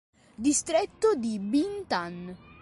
Distretto di Binh Tan